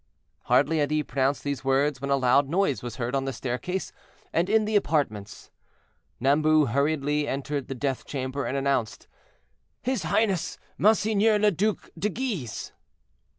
Hardly had he pronounced these words when a loud noise was heard on the staircase and in the apartments. Nambu hurriedly entered the death chamber, and announced—"His Highness Monseigneur le Duc de Guise."